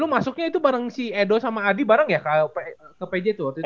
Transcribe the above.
masuknya itu bareng si edo sama adi bareng ya ke pj tuh waktu itu